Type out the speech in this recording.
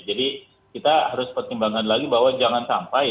jadi kita harus pertimbangkan lagi bahwa jangan sampai